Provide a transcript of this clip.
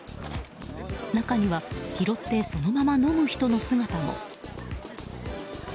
中には拾ってそのまま飲む人の姿も。